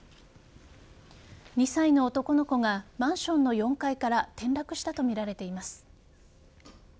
２歳の男の子がマンションの４階から転落したとみられています。